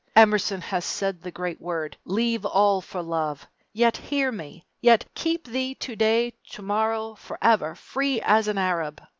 Emerson has said the great word: Leave all for love; _Yet, hear me, yet, Keep thee to day, To morrow, forever, Free as an Arab!